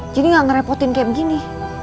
jadi gak ngerepotin kayak begini